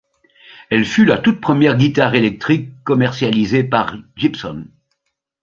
Elle fut la toute première guitare électrique commercialisée par Gibson.